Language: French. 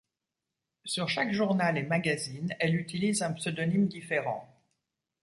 Sur chaque journal et magazine elle utilise un pseudonyme diffèrent.